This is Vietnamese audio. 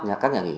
nhà các nhà nghỉ